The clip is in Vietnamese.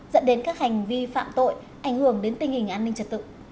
dẫn đến các hành vi phạm tội ảnh hưởng đến tình hình an ninh trật tự